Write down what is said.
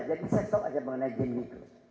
jadi set top aja mengenai game itu